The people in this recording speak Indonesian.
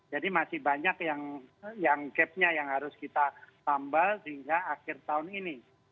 jadi masih banyak yang gapnya yang harus kita tambah sehingga akhir tahun ini